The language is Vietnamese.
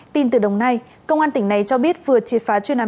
tin từ đồng nai công an tỉnh này cho biết vừa triệt phá chuyên án